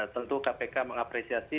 tentu kpk mengapresiasi